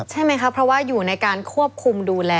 ใช่ไหมครับเพราะว่าอยู่ในการควบคุมดูแล